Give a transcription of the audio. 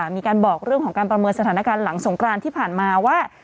มีการบอกเรื่องของการประเมินสถานการณ์หลังสงกรานที่ผ่านมาว่า